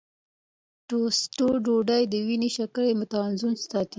ټوسټ ډوډۍ د وینې شکره متوازنه ساتي.